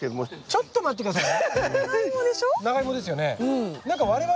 ちょっと待って下さい。